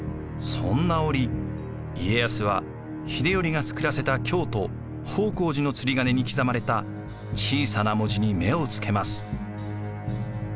そんな折家康は秀頼が作らせた京都方広寺の釣り鐘に刻まれた小さな文字に目をつけます。